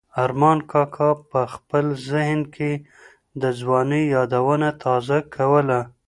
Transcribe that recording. ارمان کاکا په خپل ذهن کې د ځوانۍ یادونه تازه کوله.